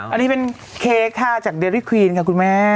อันนี้เป็นเค้กค่ะจากเดรี่ควีนค่ะคุณแม่